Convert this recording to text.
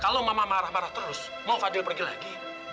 kalau mama marah marah terus mau fadil pergi lagi